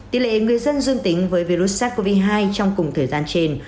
tỷ lệ người dân dương tính với virus sars cov hai trong cùng thời gian trên